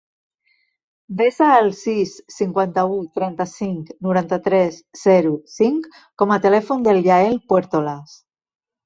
Desa el sis, cinquanta-u, trenta-cinc, noranta-tres, zero, cinc com a telèfon del Yael Puertolas.